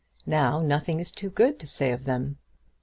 Now, nothing is too good to say of them."